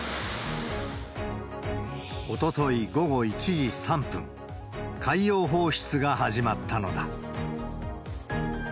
おととい午後１時３分、海洋放出が始まったのだ。